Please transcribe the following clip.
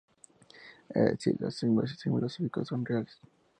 Es decir, los zombis filosóficos son reales.